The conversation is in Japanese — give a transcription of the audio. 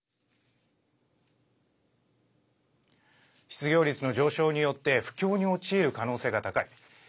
失業率の上昇によって不況に陥る可能性が高い。